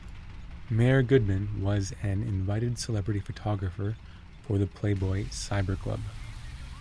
Mayor Goodman was an invited celebrity photographer for the Playboy Cyber Club.